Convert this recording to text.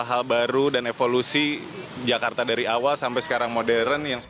hal baru dan evolusi jakarta dari awal sampai sekarang modern